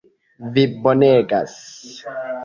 Vi bonegas!